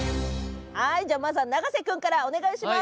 はいじゃあまずは永瀬くんからお願いします。